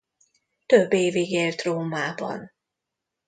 Több évig élt Rómában.